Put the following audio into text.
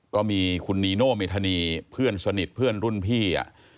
ก็มีคุณนีโน่เมธานีเพื่อนสนิทเพื่อนรุ่นพี่